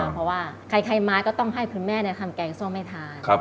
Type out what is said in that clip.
เพราะว่าใครมาก็ต้องให้คุณแม่ทำแกงส้มให้ทาน